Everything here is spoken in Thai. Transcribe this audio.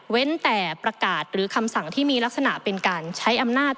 แต่ประกาศหรือคำสั่งที่มีลักษณะเป็นการใช้อำนาจ